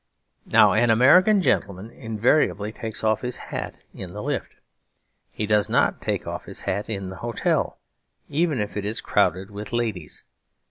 Now an American gentleman invariably takes off his hat in the lift. He does not take off his hat in the hotel, even if it is crowded with ladies.